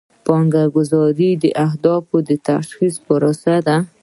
پلانګذاري د اهدافو د تشخیص پروسه ده.